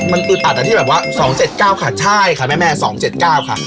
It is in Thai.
มันอึดอัดที่แบบว่า๒๗๙ค่ะใช่ค่ะแม่๒๗๙ค่ะ